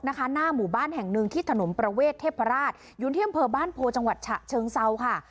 นะคะหน้าหมู่บ้านแห่งนึงที่ถนนประเวทเทพราชยุนเที่ยมเผอร์บ้านโพจังหวัดฉะเชิงเศร้าค่ะ